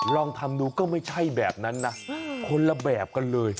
ลองทำดูก็ไม่ใช่แบบนั้นนะคนละแบบกันเลย